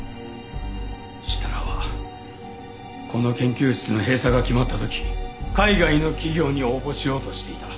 設楽はこの研究室の閉鎖が決まった時海外の企業に応募しようとしていた。